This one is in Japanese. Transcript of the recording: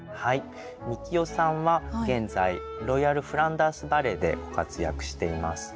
三希央さんは現在ロイヤル・フランダース・バレエでご活躍しています。